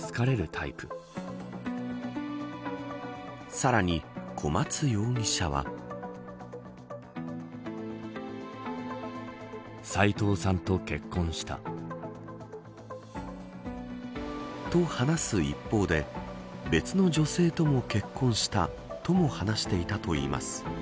さらに小松容疑者は。と、話す一方で別の女性とも結婚したとも話していたといいます。